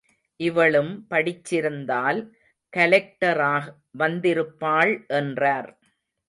இவளும் படிச்சிருந்தால் கலெக்டரா வந்திருப்பாள் என்றார்.